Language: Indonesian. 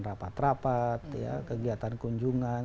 rapat rapat kegiatan kunjungan